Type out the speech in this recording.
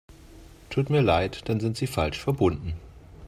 Tut mir leid, dann sind Sie falsch verbunden.